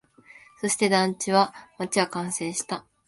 そして、団地は、街は完成した